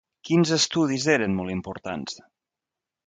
Quins estudis eren molt importants?